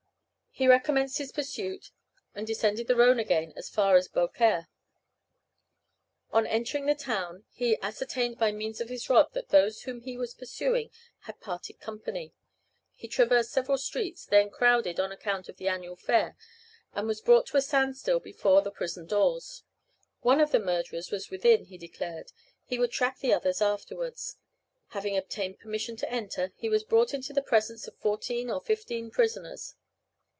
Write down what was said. He recommenced his pursuit, and descended the Rhone again as far as Beaucaire. On entering the town he ascertained by means of his rod that those whom he was pursuing had parted company. He traversed several streets, then crowded on account of the annual fair, and was brought to a standstill before the prison doors. One of the murderers was within, he declared; he would track the others afterwards. Having obtained permission to enter, he was brought into the presence of fourteen or fifteen prisoners.